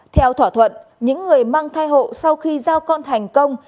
theo thỏa thuận những người mang thai hộ sau khi giao con thành công